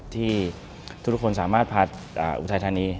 ที่ทุกคนสามารถพัดอุทัยธัณฑ์นี้